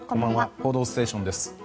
「報道ステーション」です。